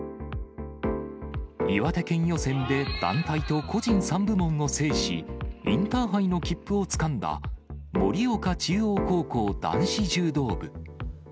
岩手県予選で団体と個人３部門を制し、インターハイの切符をつかんだ盛岡中央高校男子柔道部。